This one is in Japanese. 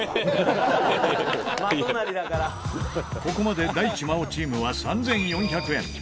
ここまで大地真央チームは３４００円。